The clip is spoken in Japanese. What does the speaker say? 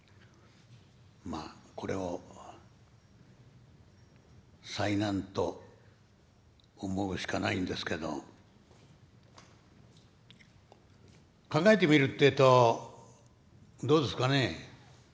まあこれを災難と思うしかないんですけど考えてみるってえとどうですかね。